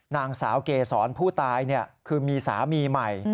นางสาวเกษรผู้ตายคือมีสามีใหม่